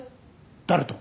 誰と？